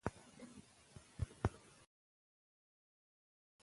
د سږو ژورې برخې په اسانۍ معاینه کېږي.